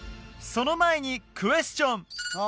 その前にクエスチョン！